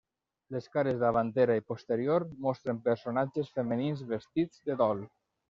Les cares davantera i posterior mostren personatges femenins vestits de dol.